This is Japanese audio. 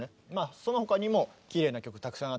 その他にもきれいな曲たくさんあって。